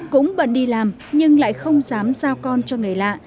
cũng bận đi làm nhưng lại không dám giao con cho người lạ